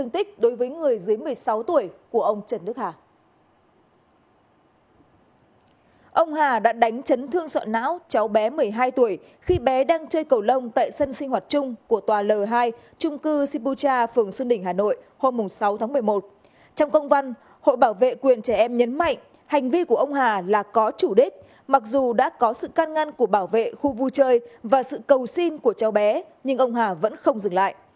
trong công văn hội bảo vệ quyền trẻ em nhấn mạnh hành vi của ông hà là có chủ đích mặc dù đã có sự can ngăn của bảo vệ khu vui chơi và sự cầu xin của cháu bé nhưng ông hà vẫn không dừng lại